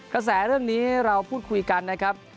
กระแสเรื่องนี้เราพูดคุยกันนะครับ